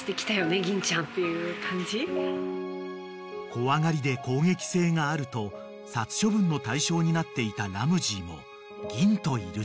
［怖がりで攻撃性があると殺処分の対象になっていたラムジーもぎんといると］